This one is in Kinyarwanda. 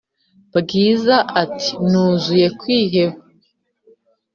bwiza ati"nuzuye kwiheba"